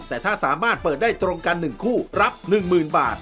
แต่ถ้าสามารถเปิดได้ตรงกัน๑คู่รับ๑๐๐๐บาท